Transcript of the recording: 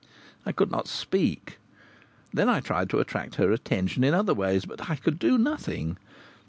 I could not speak. Then I tried to attract her attention in other ways; but I could do nothing.